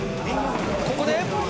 ここで！